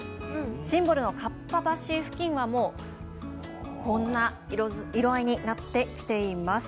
シンボルの河童橋付近はもうこんな色合いになってきています。